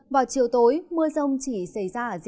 vào chiều tối mưa rông chỉ xảy ra ở diện đoạn